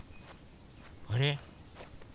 あれ？